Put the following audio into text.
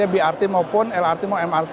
brt maupun lrt maupun mrt